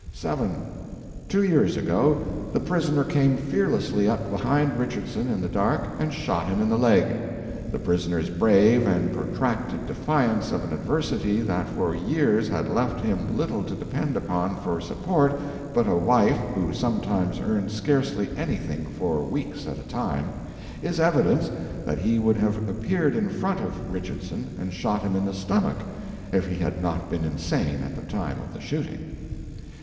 "7. Two years ago the prisoner came fearlessly up behind Richardson in the dark, and shot him in the leg. The prisoner's brave and protracted defiance of an adversity that for years had left him little to depend upon for support but a wife who sometimes earned scarcely anything for weeks at a time, is evidence that he would have appeared in front of Richardson and shot him in the stomach if he had not been insane at the time of the shooting.